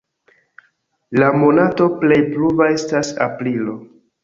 La monato plej pluva estas aprilo.